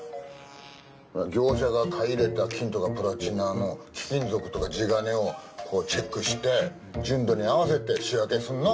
業者が買い入れた金とかプラチナの貴金属とか地金をこうチェックして純度に合わせて仕分けするの！